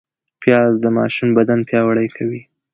پیاز د ماشوم بدن پیاوړی کوي